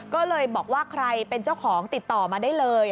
ก็เลยบอกว่าใครเป็นเจ้าของติดต่อมาได้เลย